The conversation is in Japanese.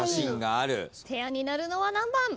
ペアになるのは何番？